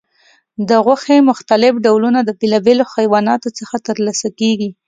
د غوښې مختلف ډولونه د بیلابیلو حیواناتو څخه ترلاسه کېږي.